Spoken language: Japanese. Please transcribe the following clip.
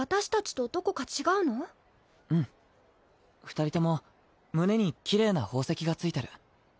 二人とも胸にきれいな宝石が付いてる。